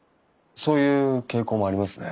そういう傾向もありますね。